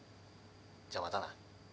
じゃあまたな。